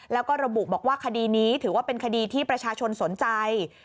แล้วก็ระบุบอกว่าคดีนี้ถือว่าเป็นคดีที่ประชาชนสนใจ